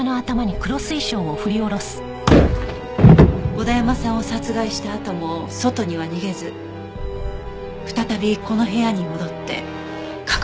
小田山さんを殺害したあとも外には逃げず再びこの部屋に戻って隠れ続けていた。